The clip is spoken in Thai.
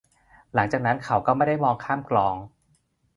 หลังจากนั้นเขาก็ไม่ได้มองข้ามกลอง